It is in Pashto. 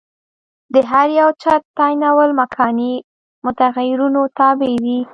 د هر یوه چت تعینول مکاني متغیرونو تابع دي.